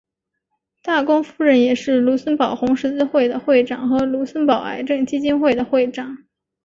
大公夫人也是卢森堡红十字会的会长和卢森堡癌症基金会的会长。